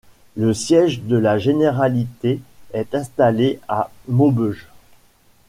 Le siège de la généralité est installé à Maubeuge.